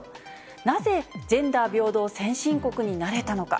なぜ、ジェンダー平等先進国になれたのか。